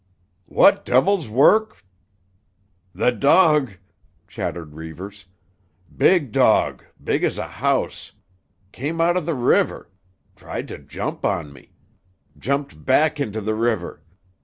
"What devil's work——" "The dog!" chattered Reivers. "Big dog; big as a house. Came out of the river. Tried to jump on me. Jumped back into the river.